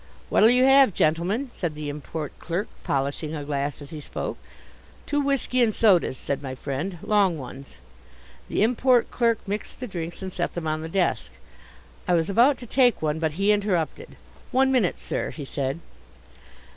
"What'll you have, gentlemen," said the Import Clerk, polishing a glass as he spoke. "Two whisky and sodas," said my friend, "long ones." The Import Clerk mixed the drinks and set them on the desk. I was about to take one, but he interrupted. "One minute, sir," he said.